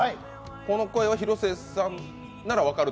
この声は広末さんなら分かると。